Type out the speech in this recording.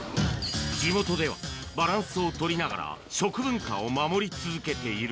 地元では、バランスを取りながら食文化を守り続けている。